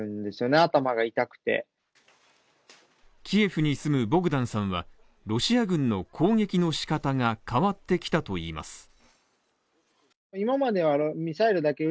キエフに住むボグダンさんは、ロシア軍の攻撃の仕方が変わってきたといいます。